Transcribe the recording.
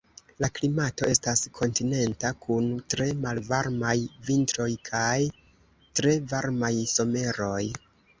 La klimato estas kontinenta kun tre malvarmaj vintroj kaj tre varmaj someroj.